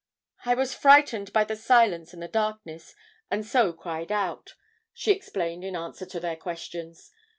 "I was frightened by the silence and the darkness, and so cried out," she explained in answer to their questions.